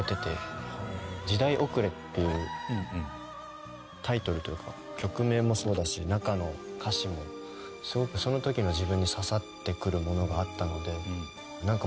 『時代おくれ』っていうタイトルというか曲名もそうだし中の歌詞もすごくその時の自分に刺さってくるものがあったのでなんか